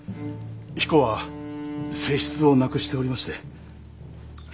彦は正室を亡くしておりまして。